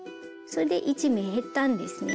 それで１目減ったんですね。